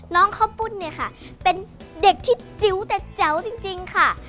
น้องข้าวปุ้นเนี่ยค่ะเป็นเด็กที่จิ๋วแต่แจ๋วจริงค่ะ